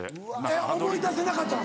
えっ思い出せなかったの？